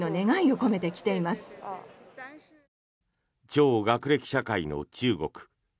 超学歴社会の中国。